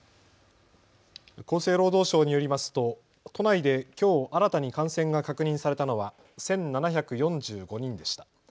厚生労働省によりますと都内できょう新たに感染が確認されたのは１７４５人でした。